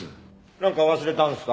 なんか忘れたんですか？